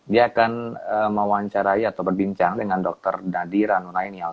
dia akan mewawancarai atau berbincang dengan dr nadira nunainal